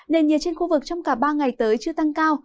nền nhiệt trên khu vực trong cả ba ngày tới chưa tăng cao